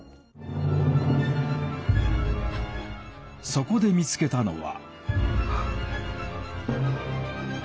そこで見つけたのは。